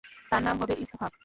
তার নাম হবে ইসহাক।